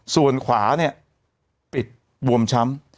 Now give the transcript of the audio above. ส่วนขวาเนี่ยปิดบวมช้ำ